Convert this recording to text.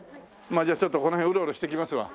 じゃあちょっとこの辺ウロウロしてきますわ。